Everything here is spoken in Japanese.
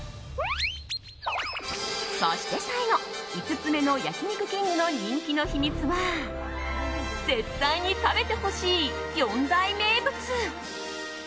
そして最後、５つ目の焼肉きんぐの人気の秘密は絶対に食べてほしい４大名物。